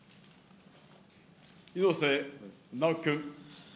猪瀬直樹君。